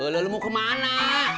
lo mau kemana